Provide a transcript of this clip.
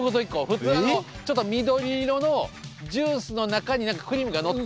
普通あのちょっと緑色のジュースの中に何かクリームがのって。